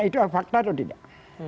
itu fakta atau tidak